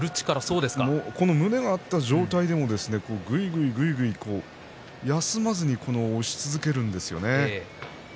胸が合った状態でぐいぐいぐいぐいと休まずに押し続けるんですよね。